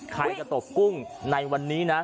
ใครจะตกกุ้งในวันนี้นะ